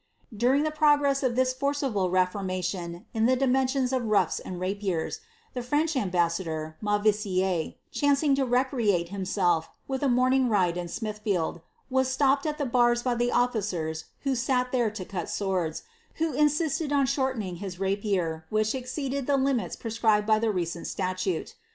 Daring the progress of this forcible reformation in the dimensions of mfib and rapiers, the French ambassador, Mauvissiere, chancing to recreate himself with a morning ride in Smithfield, was stopped at the Bars by the officers who sat there to cut swords, who insisted on shortening his rapier, which exceeded the limits prescribed by the recent statute.'